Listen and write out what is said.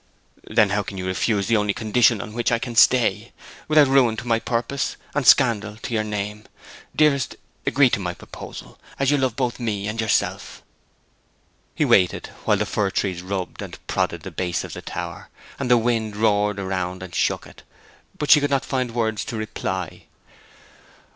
'Then how can you refuse the only condition on which I can stay, without ruin to my purpose and scandal to your name? Dearest, agree to my proposal, as you love both me and yourself!' He waited, while the fir trees rubbed and prodded the base of the tower, and the wind roared around and shook it; but she could not find words to reply.